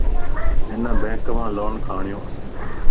ھن بينڪ مان لون کَڙيوَ